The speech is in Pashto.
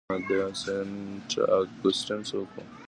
سینټ اګوستین څوک و؟